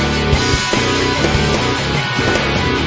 ดีดีดี